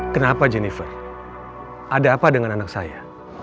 kenapa jennifer ada apa dengan anak saya